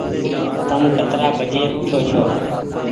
تم ڪترآ بجي اوٺو ڇو ۔